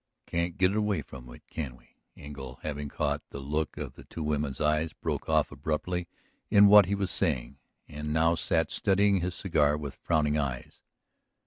"Can't get away from it, can we?" Engle having caught the look in the two women's eyes, broke off abruptly in what he was saying, and now sat studying his cigar with frowning eyes.